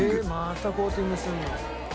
「またコーティングするの」